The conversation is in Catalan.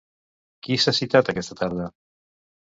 Qui s'ha citat aquesta tarda?